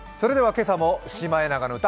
今朝も「シマエナガの歌」